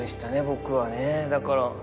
僕はねだから。